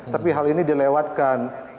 tapi hal ini dilewatkan